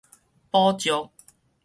寶石